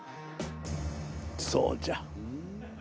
そうじゃ。